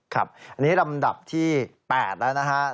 ครับนี่ลำดับที่๘แล้วนะครับ